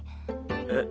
えっ。